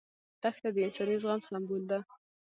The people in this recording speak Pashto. دښته د انساني زغم سمبول ده.